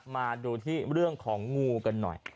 มาดูที่เรื่องของงูกันหน่อย